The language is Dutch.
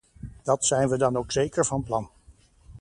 Dat zijn we dan ook zeker van plan.